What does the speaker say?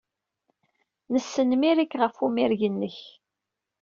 Nesnemmir-ik ɣef unmireg-nnek.